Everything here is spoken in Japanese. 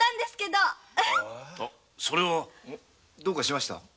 どうかしました？